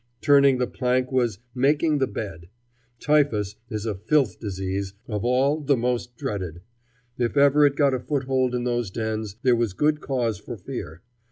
Turning the plank was "making the bed." Typhus is a filth disease, of all the most dreaded. If ever it got a foothold in those dens, there was good cause for fear.